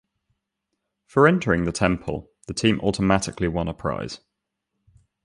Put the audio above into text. For entering the temple, the team automatically won a prize.